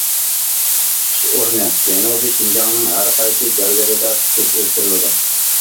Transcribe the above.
چىقىش ئورنى جەنۇبىي شىنجاڭنىڭ ھەر قايسى جايلىرىدا تىكىپ ئۆستۈرۈلىدۇ.